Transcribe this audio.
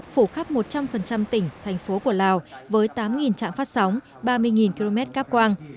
phủ khắp một trăm linh tỉnh thành phố của lào với tám trạm phát sóng ba mươi km cáp quang